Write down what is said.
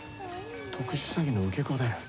特殊詐欺の受け子だよ。